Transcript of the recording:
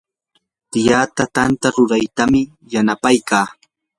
tiyaata tanta ruraytam yanapaykaa.